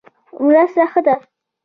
مرسته ښه ده.